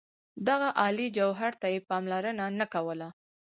دغه عالي جوهر ته یې پاملرنه نه کوله.